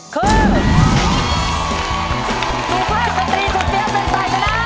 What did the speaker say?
คือสุภาพสตรีคุณเปี๊ยกเป็นฝ่ายชนะ